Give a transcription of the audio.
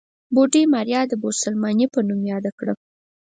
بوډۍ ماريا د بوسلمانې په نوم ياده کړه.